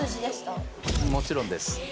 もちろんです。